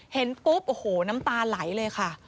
เห็นปุ๊บโอ้โหน้ำตาไหลเลยค่ะ